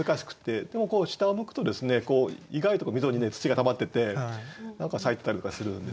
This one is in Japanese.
でもこう下を向くとですね意外と溝に土が溜まってて何か咲いてたりとかするんですよね。